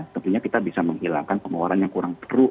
tentunya kita bisa menghilangkan pengeluaran yang kurang perlu